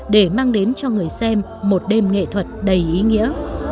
để mang đến cho người xem một đêm nghệ thuật đầy ý nghĩa